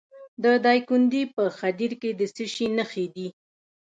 د دایکنډي په خدیر کې د څه شي نښې دي؟